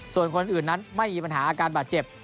ส่วนคนอื่นนั้นไม่มีปัญหาอาการบาดเจ็บ